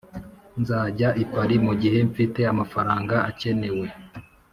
nzajya i paris mugihe mfite amafaranga akenewe.